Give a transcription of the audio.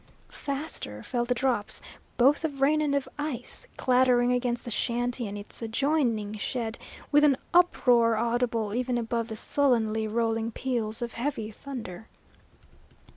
Faster fell the drops, both of rain and of ice, clattering against the shanty and its adjoining shed with an uproar audible even above the sullenly rolling peals of heavy thunder.